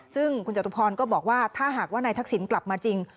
ซึ่งคุณจตุพรก็บอกว่าถ้าหากว่านายทักษิณกลับมาจริง